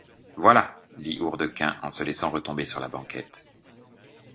Voilà! dit Hourdequin, en se laissant retomber sur la banquette.